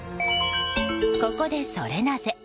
ここでソレなぜ？